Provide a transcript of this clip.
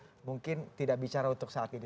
memilih untuk mungkin tidak bicara untuk saat ini